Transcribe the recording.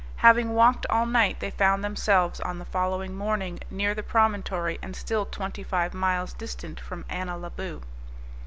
Having walked all night, they found themselves, on the following morning, near the promontory, and still twenty five miles distant from Annalaboo.